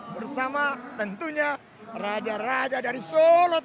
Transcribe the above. bersama tentunya raja raja dari solo